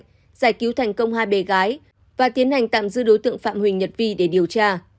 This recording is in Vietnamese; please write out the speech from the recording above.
giải cứu thành công hai bé gái và tiến hành tạm giữ đối tượng phạm huỳnh nhật vi để điều tra